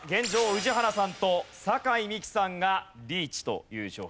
宇治原さんと酒井美紀さんがリーチという状況です。